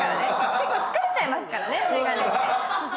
結構疲れちゃいますからね、眼鏡って。